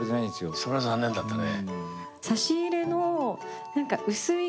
それは残念だったね。